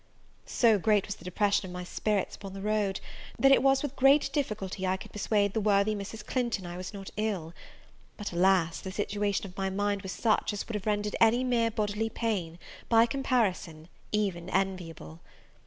So great was the depression of my spirits upon the road, that it was with great difficulty I could persuade the worthy Mrs. Clinton I was not ill; but, alas! the situation of my mind was such as would have rendered any mere bodily pain, by comparison, even enviable!